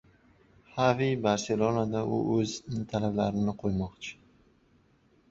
Xavi "Barselona"da! U o‘z talablarini qo‘ymoqchi